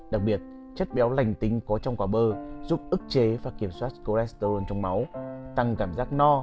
đặc biệt chất béo lành tính có trong quả bơ giúp ức chế và kiểm soát cholesterol trong máu tăng cảm giác no